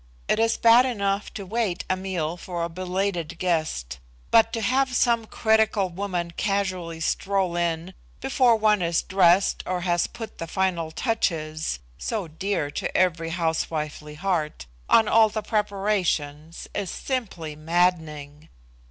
It is bad enough to wait a meal for a belated guest, but to have some critical woman casually stroll in before one is dressed, or has put the final touches so dear to every housewifely heart on all the preparations, is simply maddening.